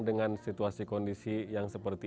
dengan situasi kondisi yang seperti